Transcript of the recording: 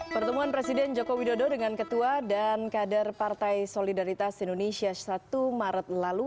pertemuan presiden joko widodo dengan ketua dan kader partai solidaritas indonesia satu maret lalu